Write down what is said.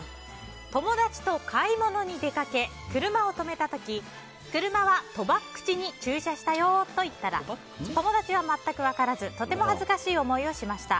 友達と買い物に出かけ車を止めた時車はとばっくちに駐車したよと言ったら友達は全く分からずとても恥ずかしい思いをしました。